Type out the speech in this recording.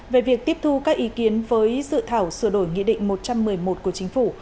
về việc tiếp thu các ý kiến với dự thảo sửa đổi nghị định một trăm một mươi một của chính phủ